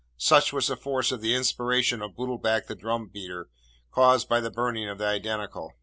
Such was the force of the inspiration of Bootlbac the drum beater, caused by the burning of the Identical.